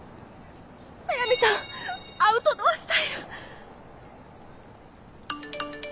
速見さんアウトドアスタイル！